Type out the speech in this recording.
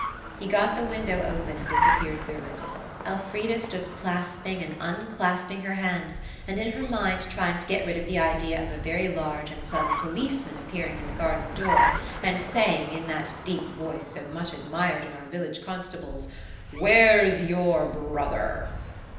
He got the window open and disappeared through it. Elfrida stood clasping and unclasping her hands, and in her mind trying to get rid of the idea of a very large and sudden policeman appearing in the garden door and saying, in that deep voice so much admired in our village constables, "Where's your brother?"